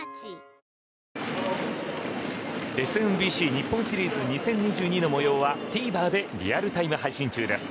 ＳＭＢＣ日本シリーズ２０２２の模様はＴＶｅｒでリアルタイムで配信中です。